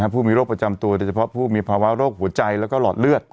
ผู้มีโรคประจำตัวโดยเฉพาะผู้มีภาวะโรคหัวใจแล้วก็หลอดเลือด